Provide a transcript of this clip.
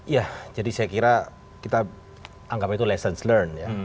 ya jadi saya kira kita anggap itu lessons learned ya